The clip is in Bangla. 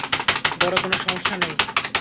বড়ো কোনো সমস্যা নেই।